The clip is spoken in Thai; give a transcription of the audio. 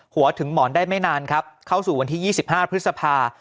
หัวถึงหมอนได้ไม่นานครับเข้าสู่วันที่๒๕พฤษภา